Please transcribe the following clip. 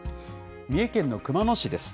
三重県の熊野市です。